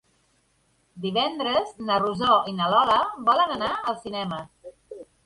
Divendres na Rosó i na Lola volen anar al cinema.